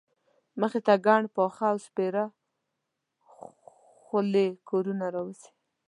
مخې ته ګڼ پاخه او سپېره خولي کورونه راوځي.